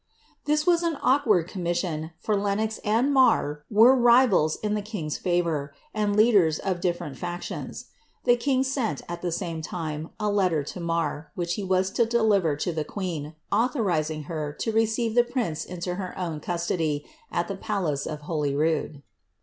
This was an awkward conn mission, for Lenox and Marr were rivals in the king's fiivour, and leaders of difierent factions. The king sent, at the same time, a letter to Marr^ which he was to deliver to the queen, authorizing her to receive the prince into her own custody, at the palace of Holyrood.